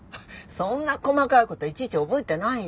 そんな細かい事いちいち覚えてないよ。